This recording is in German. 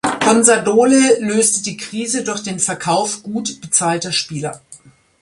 Consadole löste die Krise durch den Verkauf gut bezahlter Spieler.